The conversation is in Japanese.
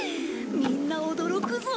みんな驚くぞ！